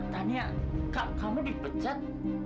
tanya kamu dipecat